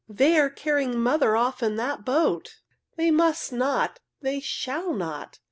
"They are carrying mother off in that boat! They must not! They shall not!"